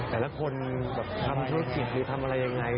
แต่ละคนทำช่วยผิดทำอะไรอย่างไร